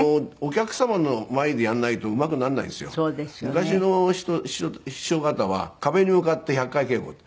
昔の師匠方は壁に向かって１００回稽古って。